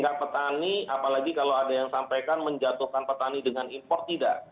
sehingga petani apalagi kalau ada yang sampaikan menjatuhkan petani dengan impor tidak